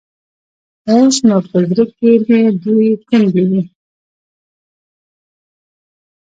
اوس نو په زړه کښې مې دوې تندې وې.